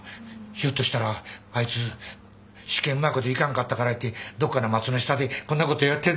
ひょっとしたらあいつ試験うまいこといかんかったからいうてどっかの松の下でこんなことやってんのと違う。